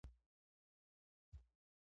خټکی د تمرکز قوت زیاتوي.